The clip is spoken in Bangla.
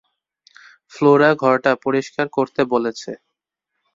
ফ্লোরা ঘরটা পরিস্কার করতে বলেছে।